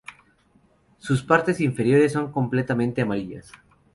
Sus partes inferiores son completamente amarillas.